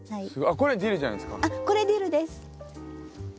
これディルです。